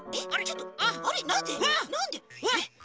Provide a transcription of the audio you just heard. なんで？